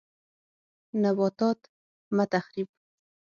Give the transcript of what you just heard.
نباتات مه تخریب